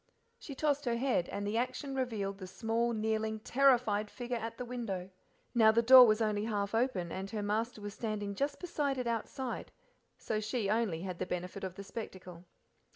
She tossed her head, and the action revealed the small, kneeling, terrified figure at the window. Now the door was only half open, and her master was standing just beside it outside, so she only had the benefit of the spectacle.